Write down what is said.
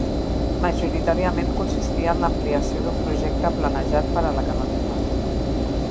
Majoritàriament consistia en l'ampliació d'un projecte planejat per a la carretera.